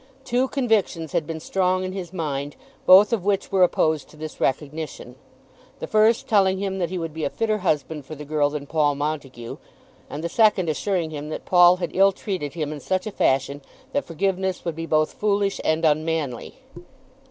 Two convictions had been strong in his mind, both of which were opposed to this recognition, the first telling him that he would be a fitter husband for the girl than Paul Montague, and the second assuring him that Paul had ill treated him in such a fashion that forgiveness would be both foolish and unmanly.